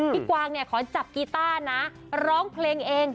พี่กวางขอจับกีตาร์นะร้องเพลงเอง